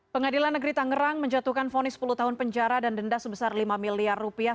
pengadilan negeri tangerang menjatuhkan fonis sepuluh tahun penjara dan denda sebesar lima miliar rupiah